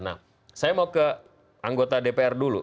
nah saya mau ke anggota dpr dulu